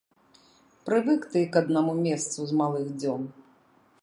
Прывык ты к аднаму месцу з малых дзён.